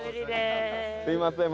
すいません。